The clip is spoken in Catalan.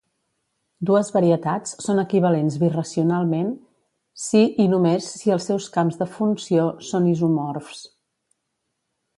Dues varietats són equivalents birracionalment si i només si els seus camps de funció són isomorfs.